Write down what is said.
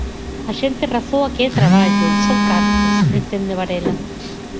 "A xente razoa que é traballo, son cartos", entende Varela.